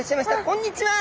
こんにちは。